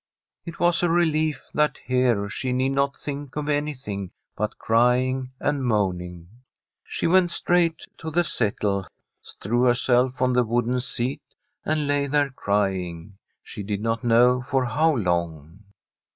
It was a relief that here she need not think of anything but crying and moaning. She went straight to the settle, threw herself on the wooden seat, and lay there crying, she did not know for how long.